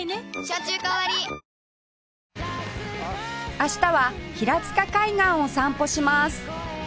明日は平塚海岸を散歩します